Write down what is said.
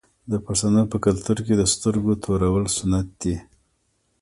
د پښتنو په کلتور کې د سترګو تورول سنت دي.